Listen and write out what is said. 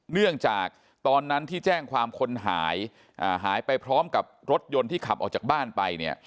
เนื่องจากตอนนั้นที่แจ้งความคนหายหายไปพร้อมกับรถยนต์ที่ขับออกจากบ้านไปเนี่ย